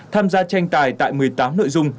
tham gia tranh tài tại một mươi tám nội dung